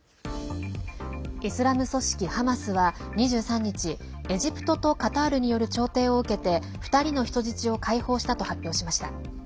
イスラム組織ハマスは２３日エジプトとカタールによる調停を受けて２人の人質を解放したと発表しました。